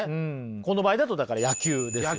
この場合だとだから野球ですよね。